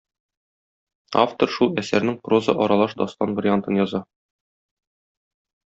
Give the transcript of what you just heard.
Автор шул әсәрнең проза аралаш дастан вариантын яза.